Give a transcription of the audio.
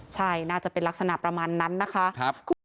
ใช่น่าจะเป็นลักษณะประมาณนั้นนะคะ